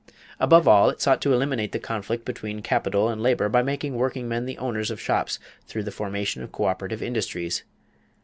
Above all, it sought to eliminate the conflict between capital and labor by making workingmen the owners of shops through the formation of coöperative industries.